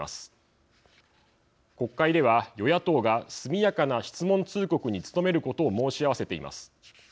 国会では与野党が速やかな質問通告に努めることを申し合わせています。